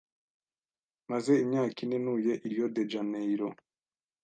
Maze imyaka ine ntuye i Rio de Janeiro.